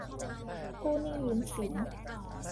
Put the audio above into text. กู้หนี้ยืมสิน